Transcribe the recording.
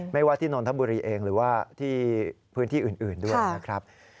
ว่าที่นนทบุรีเองหรือว่าที่พื้นที่อื่นด้วยนะครับ